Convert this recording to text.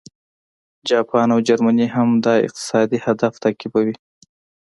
جاپان او جرمني هم دا اقتصادي هدف تعقیبوي